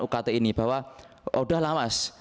ukt ini bahwa udah lawas